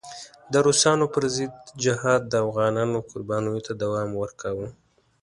د روسانو پر ضد جهاد د افغانانو قربانیو ته دوام ورکاوه.